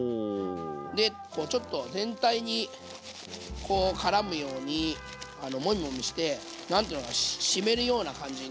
でこうちょっと全体にこうからむようにもみもみして何て言うのかな湿るような感じで。